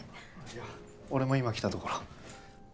いや俺も今来たところ。